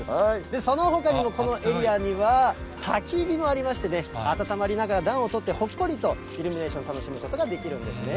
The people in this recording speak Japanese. そのほかにもこのエリアにはたき火もありましてね、温まりながら、暖をとって、ほっこりとイルミネーションを楽しむことができるんですね。